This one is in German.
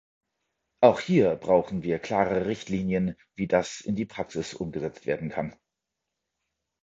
Auch hier brauchen wir klare Richtlinien, wie das in die Praxis umgesetzt werden kann.